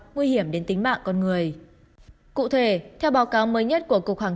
nguy hiểm đến tính mạng con người cụ thể theo báo cáo mới nhất của cục hàng